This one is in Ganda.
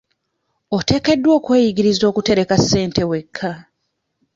Oteekeddwa okweyigiriza okutereka ssente wekka.